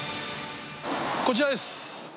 こちらです。